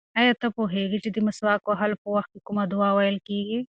ایا ته پوهېږې چې د مسواک وهلو په وخت کې کومه دعا ویل کېږي؟